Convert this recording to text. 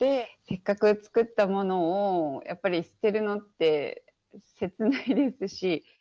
せっかく作ったものをやっぱり捨てるのって切ないですし。